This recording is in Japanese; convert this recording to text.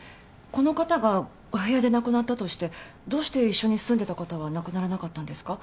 この方がお部屋で亡くなったとしてどうして一緒に住んでた方は亡くならなかったんですか？